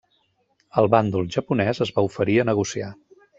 El bàndol japonès es va oferir a negociar.